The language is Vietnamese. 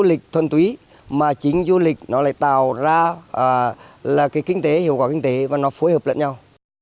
du lịch thuần túy mà chính du lịch nó lại tạo ra là cái kinh tế hiệu quả kinh tế và nó phối hợp lẫn nhau